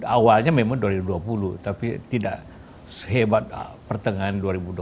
awalnya memang dua ribu dua puluh tapi tidak sehebat pertengahan dua ribu dua puluh